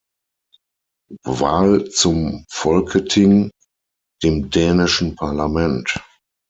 Wahl zum Folketing, dem dänischen Parlament.